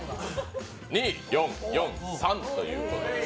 ２、４、４、３ということです。